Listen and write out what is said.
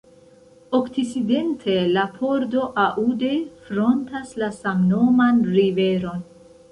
Okcidente, la pordo Aude frontas la samnoman riveron.